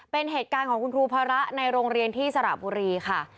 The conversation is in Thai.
เป็นเหตุการณ์ของคุณครูภาระในโรงเรียนที่สระบุรีค่ะ